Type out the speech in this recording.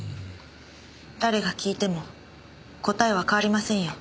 誰が聞いても答えは変わりませんよ。